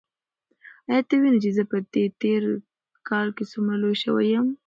ایا ته وینې چې زه په دې تېر کال کې څومره لوی شوی یم؟